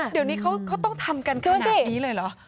เดี๋ยวนี้เขาต้องทำกันขึ้นแบบนี้เลยเหรอ